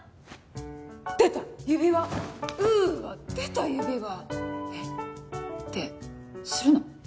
出た指輪うわ出た指輪えっでするの？